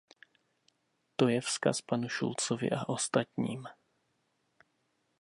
To je vzkaz panu Schulzovi a ostatním.